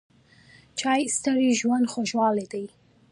چای د ستړي ژوند خوږوالی دی.